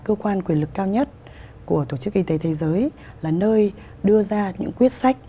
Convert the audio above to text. cơ quan quyền lực cao nhất của tổ chức y tế thế giới là nơi đưa ra những quyết sách